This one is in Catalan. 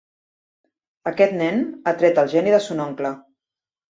Aquest nen ha tret el geni de son oncle.